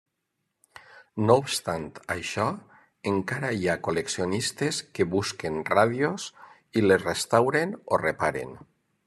No obstant això, encara hi ha col·leccionistes que busquen ràdios i les restauren o reparen.